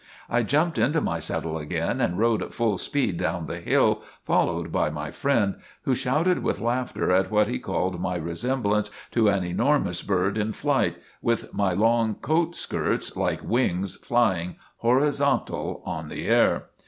I jumped into my saddle again and rode at full speed down the hill, followed by my friend, who shouted with laughter at what he called my resemblance to an enormous bird in flight, with my long coat skirts like wings lying horizontal on the air.